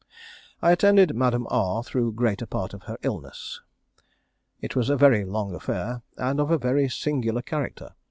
I attended Madame R through greater part of her illness. It was a very long affair, and of a very singular character.